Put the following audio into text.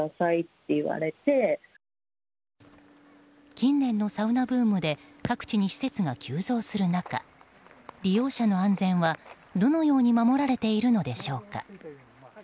近年のサウナブームで各地に施設が急増する中利用者の安全はどのように守られているのでしょうか。